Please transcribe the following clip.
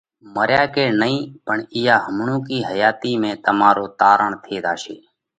مريا ڪيڙ نئين پڻ اِيئا همڻُوڪِي حياتِي ۾، تمارو تارڻ ٿي زاشي۔